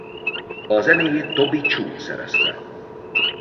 A zenéjét Toby Chu szerezte.